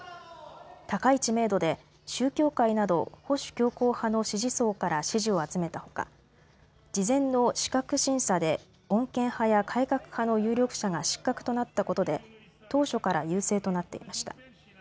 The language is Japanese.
高い知名度で宗教界など保守強硬派の支持層から支持を集めたほか事前の資格審査で穏健派や改革派の有力者が失格となったことで当初から優勢となっていました。